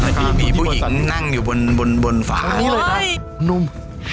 นั่งอยู่ข้างหลังหยีบแล้วก็เป็นร่างเลยครับผู้หญิง